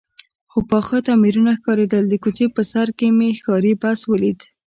څو پاخه تعمیرونه ښکارېدل، د کوڅې په سر کې مې ښاري بس ولید.